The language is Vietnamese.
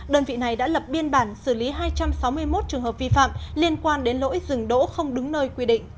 đơn vị này đã lập biên bản xử lý hai trăm sáu mươi một trường hợp vi phạm liên quan đến lỗi dừng đỗ không đúng nơi quy định